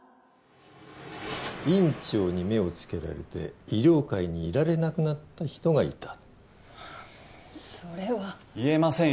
院長に目をつけられて医療界にいられなくなった人がいたそれは言えませんよ